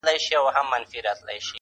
لكه د مور چي د دعا خبر په لپه كــي وي.